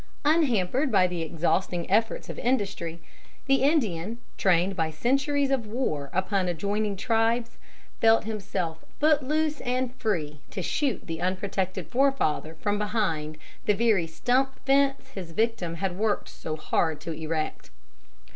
Unhampered by the exhausting efforts of industry, the Indian, trained by centuries of war upon adjoining tribes, felt himself foot loose and free to shoot the unprotected forefather from behind the very stump fence his victim had worked so hard to erect.